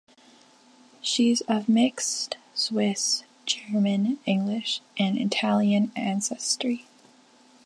She's of mixed Swiss, German, English, and Italian ancestry.